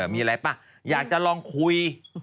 มีอะไรป่ะอยากจะลองคุย